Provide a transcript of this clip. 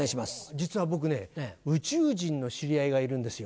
実は僕ね宇宙人の知り合いがいるんですよ。